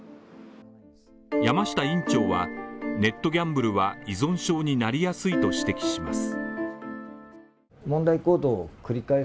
山下院長はネットギャンブルは依存症になりやすいと指摘します。